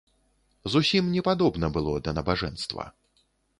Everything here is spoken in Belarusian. Зусім не падобна было да набажэнства.